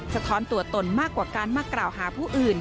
สะท้อนตัวตนมากกว่าการมากล่าวหาผู้อื่น